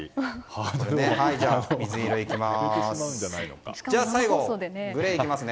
じゃあ、水色いきます。